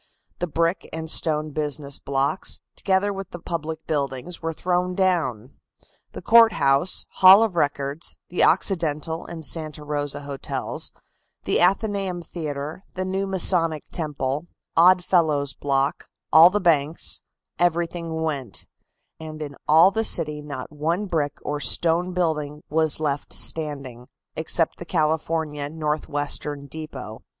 The brick and stone business blocks, together with the public buildings, were thrown down. The Court House, Hall of Records, the Occidental and Santa Rosa Hotels, the Athenaeum Theatre, the new Masonic Temple, Odd Fellows' Block, all the banks, everything went, and in all the city not one brick or stone building was left standing, except the California Northwestern Depot.